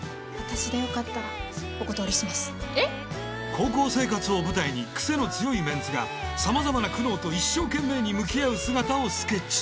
高校生活を舞台に癖の強いメンツがさまざまな苦悩と一生懸命に向き合う姿をスケッチ！